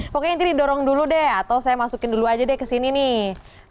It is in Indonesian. pokoknya nanti didorong dulu deh atau saya masukin dulu aja deh kesini nih